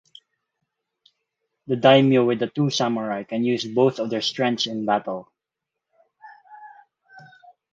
The Daimyo with two Samurai can use both of their Strengths in battle.